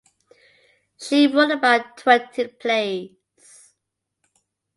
She wrote about twenty plays.